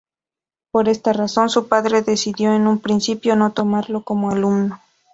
Por esta razón, su padre decidió en un principio no tomarlo como alumno.